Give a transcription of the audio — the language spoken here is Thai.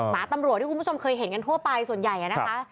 หมาตำรวจที่คุณผู้ชมเคยเห็นกันทั่วไปส่วนใหญ่นะคะ